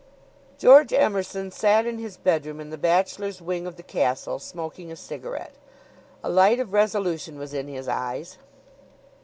George Emerson sat in his bedroom in the bachelors' wing of the castle smoking a cigarette. A light of resolution was in his eyes.